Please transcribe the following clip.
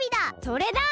それだ！